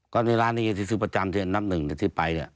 ก็นี่ร้านนี้ที่ซื้อประจำเทียนนับหนึ่งที่ไปเนี่ย